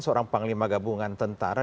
seorang panglima gabungan tentara